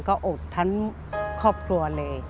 ก็อดทั้งครอบครัวเลย